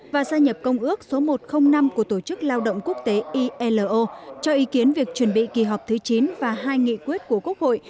và gia nhập công ước số một trăm linh năm của tổ chức lao động quốc tế ilo cho ý kiến việc chuẩn bị kỳ họp thứ chín và hai nghị quyết của quốc hội